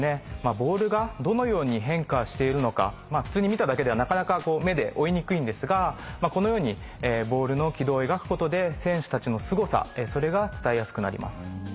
ボールがどのように変化しているのか普通に見ただけではなかなか目で追いにくいんですがこのようにボールの軌道を描くことで選手たちのすごさそれが伝えやすくなります。